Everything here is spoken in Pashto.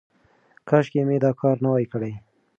کاشکې مې دا کار نه وای کړی.